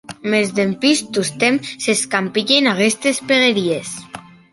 Mès dempùs tostemp s'escampilhen aguestes pegaries.